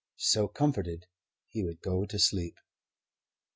So comforted, he would go to sleep.